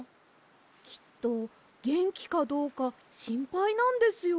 きっとげんきかどうかしんぱいなんですよ。